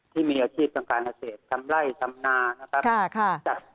ที่มีอาชีพทางการเทศทำไล่ทำหน้านะครับ